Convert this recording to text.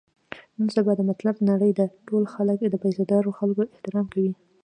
نن سبا د مطلب نړۍ ده، ټول خلک د پیسه دارو خلکو احترام کوي.